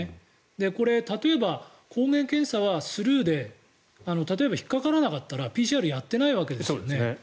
これ、例えば抗原検査はスルーで引っかからなかったらＰＣＲをやってないわけですよね。